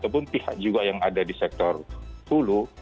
ataupun pihak juga yang ada di sektor hulu